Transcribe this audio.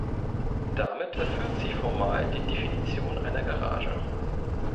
Damit erfüllt sie formal die Definition einer Garage.